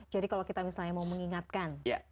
jadi kalau misalnya kita mau mengingatkan